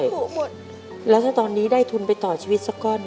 ถูกหมดแล้วถ้าตอนนี้ได้ทุนไปต่อชีวิตสักก้อน